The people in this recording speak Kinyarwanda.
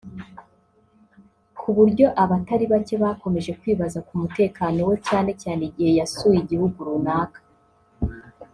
ku buryo abatari bake bakomeje kwibaza ku mutekano we cyane cyane igihe yasuye igihugu runaka